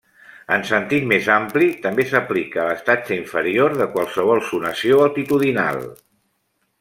En sentit més ampli, també s'aplica a l'estatge inferior de qualsevol zonació altitudinal.